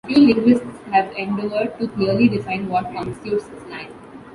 Few linguists have endeavored to clearly define what constitutes slang.